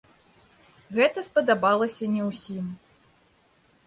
Гэта спадабалася не ўсім.